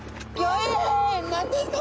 何ですか？